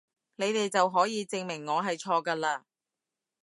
你哋就可以證明我係錯㗎嘞！